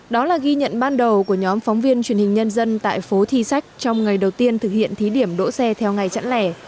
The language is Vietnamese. đó là ghi nhận ban đầu của nhóm phóng viên truyền hình nhân dân tại phố thi sách trong ngày đầu tiên thực hiện thí điểm đỗ xe theo ngày chẵn lẻ